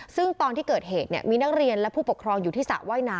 ซึ่งมีนักเรียนและผู้ปกครองอยู่ที่สระว่ายน้ำ